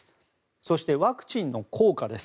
そして、ワクチンの効果です。